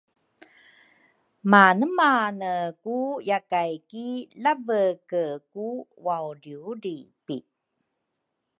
Manemane ku yakay ki laveke ku waudriudripi?